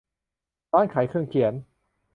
ร้านขายเครื่องเขียน